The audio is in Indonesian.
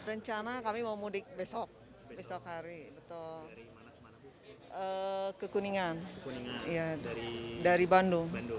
ini kekuningan dari bandung